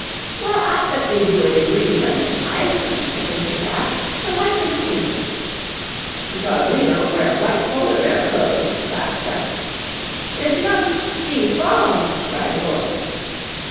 "Well, I'll bet they do it in Greenland and Iceland," persisted Fat, "so why couldn't we?" "Because we don't wear white Polar bear clothes," laughed Chuck. "There she comes, she's falling!" cried the boys.